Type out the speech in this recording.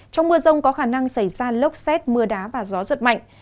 trong mưa rông có khả năng xảy ra lốc xét mưa đá và gió giật mạnh